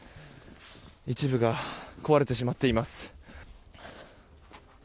一部が壊れてしまっています。